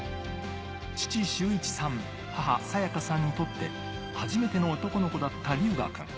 父・秀一さん、母・清香さんにとって初めての男の子だった、龍芽くん。